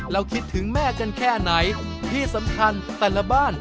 คิดถึงแม่กันแค่ไหนที่สำคัญแต่ละบ้าน